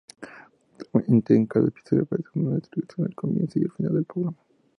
Actualmente en cada episodio aparece una introducción al comienzo y al final del programa.